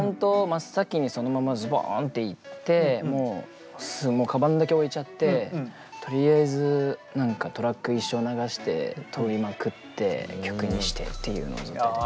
真っ先にそのままズボンって行ってもうかばんだけ置いちゃってとりあえず何かトラック一生流して録りまくって曲にしてっていうのをやってて。